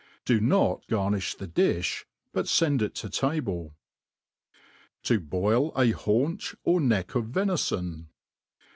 Do not garniih the difti, but fend it to table. To boil a Haunch or Heck of Ventfon.